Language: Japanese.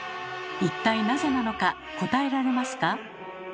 一体なぜなのか答えられますか？